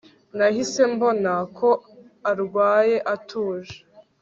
Nahise mbona ko arwaye atuje